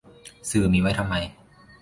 สื่อมีไว้ทำไม